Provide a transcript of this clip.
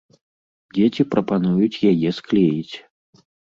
Дзеці прапануюць яе склеіць.